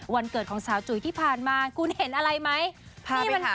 วันเกิดของสาวจุ๋ยที่ผ่านมาคุณเห็นอะไรไหม